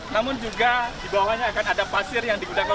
namun juga dibawahnya akan ada pasir yang digunakan